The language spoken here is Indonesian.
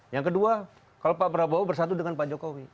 yang kedua kalau pak prabowo bersatu dengan pak jokowi